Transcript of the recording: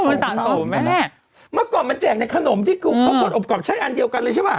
สะสมไหมแม่เมื่อก่อนมันแจกในขนมที่เขากดอบกรอบใช้อันเดียวกันเลยใช่ป่ะ